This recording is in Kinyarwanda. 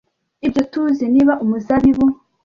ibyo tuzi niba umuzabibu